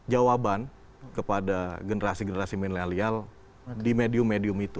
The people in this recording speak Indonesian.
jawaban kepada generasi generasi milenial di medium medium itu